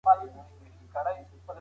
د بې وزلو حق په مال کي پټ دی.